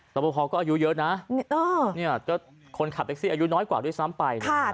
รอปภก็อายุเยอะนะคนขับแท็กซี่อายุน้อยกว่าด้วยสามไปนะคะโอ้โฮ